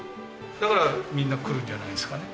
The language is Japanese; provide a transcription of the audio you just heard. だからみんな来るんじゃないですかね。